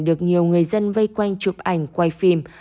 được nhiều người dân vây quanh chụp ảnh quay phim